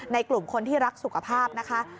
กลุ่มคนที่รักสุขภาพนะคะ